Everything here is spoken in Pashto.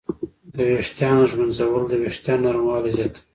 د ویښتانو ږمنځول د وېښتانو نرموالی زیاتوي.